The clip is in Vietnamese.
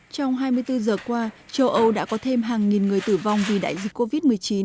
trong hai mươi bốn giờ qua châu âu đã có thêm hàng nghìn người tử vong vì đại dịch covid một mươi chín